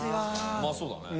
・うまそうだね